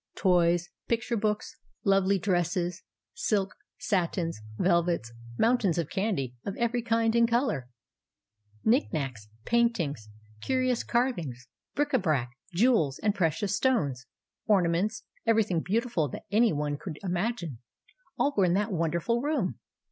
Toys, picture books, lovely THE BROWNIE JELLY 191 dresses, silk, satins, velvets, mountains of candy of every kind and colour, knick knacks, paintings, curious carvings, bric a brac, jewels and precious stones, ornaments, — everything beautiful that any one could imagine, — all were in that wonderful room.